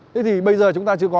thế thì bây giờ chúng ta chưa có